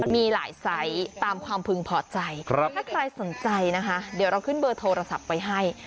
มีหลายไซส์ตามความพึงพอใจถ้าใครสนใจนะคะเดี๋ยวเราขึ้นเบอร์โทรศัพท์ไว้ให้